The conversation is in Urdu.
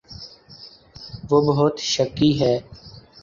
وہ بہت شکی ہے